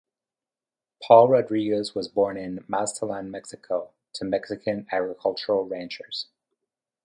Paul Rodriguez was born in Mazatlan, Mexico, to Mexican agriculture ranchers.